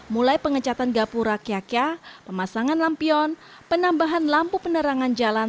mulai pengecatan gapura kiyakya pemasangan lampion penambahan lampu penerangan jalan